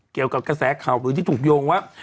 เกี่ยวกับกระแสข่าวอื่นที่ถูกโยงว่า